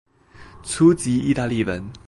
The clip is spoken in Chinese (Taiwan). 初級義大利文